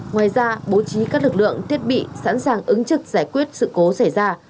ngoài ra bố trí các lực lượng thiết bị sẵn sàng ứng trực giải quyết sự cố xảy ra